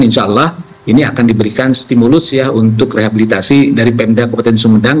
insya allah ini akan diberikan stimulus ya untuk rehabilitasi dari pemda kabupaten sumedang